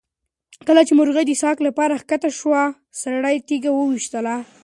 کله چې مرغۍ د څښاک لپاره کښته شوه سړي تیږه وویشتله.